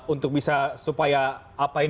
untuk bisa supaya apa ini